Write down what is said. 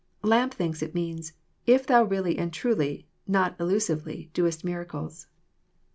Lampe thinks it means, *Mf Thou really and' truly, not illusively, doest miracles."